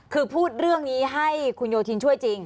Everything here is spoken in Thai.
คือพูดเรื่องนี้ให้คุณโยธินช่วยจริง